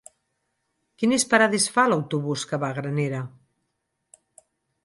Quines parades fa l'autobús que va a Granera?